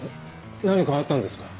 何かあったんですか？